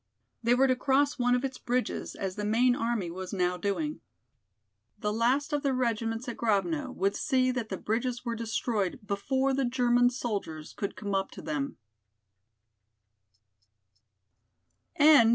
They were to cross one of its bridges, as the main army was now doing. The last of the regiments at Grovno would see that the bridges were destroyed before the German soldiers could come up to them.